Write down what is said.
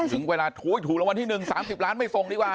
ถึงเวลาถูกรางวัลที่๑๓๐ล้านไม่ส่งดีกว่า